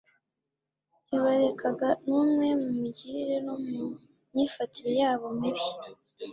ntibarekaga n'umwe mu migirire no mu myifatire yabo mibi